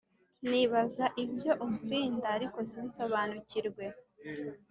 nibaza ibyo umfinda ariko sinsobanukirwe